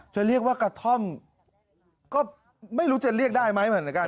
จะเรียกว่ากระท่อมก็ไม่รู้จะเรียกได้ไหมเหมือนกัน